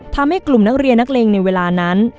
ทำให้กลุ่มนักเรียนนักเลงในเวลานั้น